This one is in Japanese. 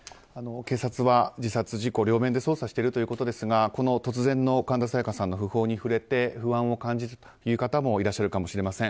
警察は、自殺・事故両面で捜査しているということですが突然の神田沙也加さんの訃報に触れて不安を感じるというかともいらっしゃるかもしれません。